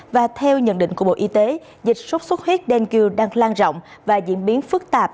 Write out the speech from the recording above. và theo nhận định của bộ y tế dịch sốt xuất huyết đen kiều đang lan rộng và diễn biến phức tạp